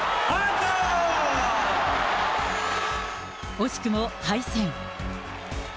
惜しくも敗戦。